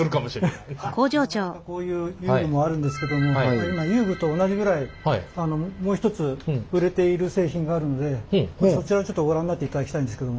なかなかこういう遊具もあるんですけども今遊具と同じぐらいもう一つ売れている製品があるのでそちらをちょっとご覧になっていただきたいんですけども。